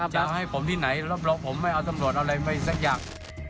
จะให้ผมที่ไหนรับรองผมไม่เอาตำรวจเอาอะไรไปสักอย่าง